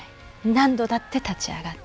何度だって立ち上がって。